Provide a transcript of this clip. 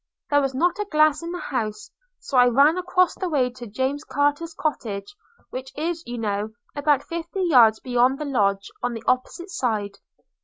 There was not a glass in the house; so I ran across the way to James Carter's cottage, which is, you know, about fifty yards beyond the lodge, on the opposite side.